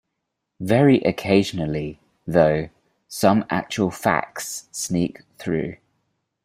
Very occasionally, though, some actual facts sneak through.